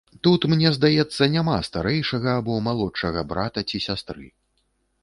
Тут, мне здаецца, няма старэйшага або малодшага брата ці сястры.